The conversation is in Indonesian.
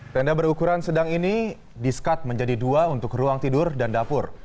tenda berukuran sedang ini disekat menjadi dua untuk ruang tidur dan dapur